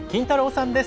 さんです。